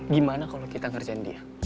gimana kalau kita ngerjain dia